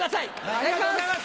ありがとうございます